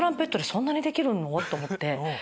そんなにできるの？と思って。